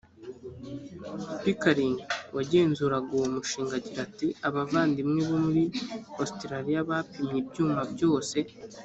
pickering wagenzuraga uwo mushinga agira ati abavandimwe bo muri ositaraliya bapimye ibyuma byose.